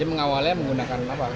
dia mengawalnya menggunakan apa